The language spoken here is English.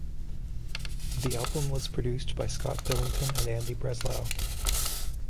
The album was produced by Scott Billington and Andy Breslau.